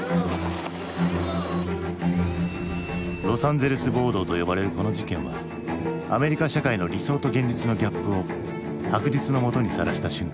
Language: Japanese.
ロサンゼルス暴動と呼ばれるこの事件はアメリカ社会の理想と現実のギャップを白日のもとにさらした瞬間だった。